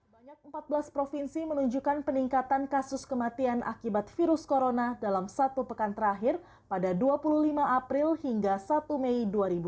banyak empat belas provinsi menunjukkan peningkatan kasus kematian akibat virus corona dalam satu pekan terakhir pada dua puluh lima april hingga satu mei dua ribu dua puluh